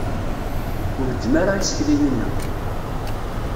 Ur gezzem isekla-inna.